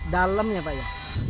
dalamnya pak ya